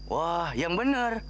wah yang benar